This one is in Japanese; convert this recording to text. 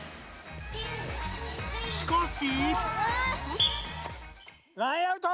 しかし。